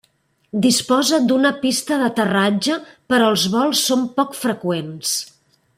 Disposa d'una pista d'aterratge, però els vols són poc freqüents.